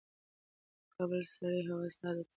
د کابل سړې هوا ستا د تن د روغتیا لپاره ډېر زیان درلودلی شي.